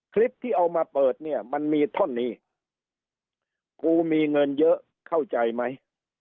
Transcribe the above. คลิปที่เอามาเปิดเนี่ยมันมีท่อนนี้กูมีเงินเยอะเข้าใจไหม